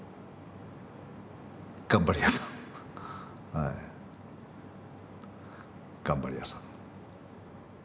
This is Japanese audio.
はい頑張り屋さん。